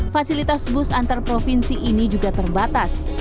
fasilitas bus antar provinsi ini juga terbatas